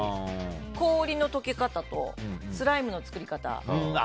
氷の解け方とスライムの作り方。